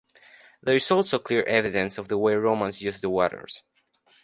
There is also clear evidence of the way Romans used the waters.